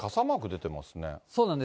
そうなんです。